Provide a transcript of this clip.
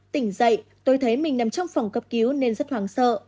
tỉnh dậy tôi thấy mình nằm trong phòng cấp cứu nên rất hoảng sợ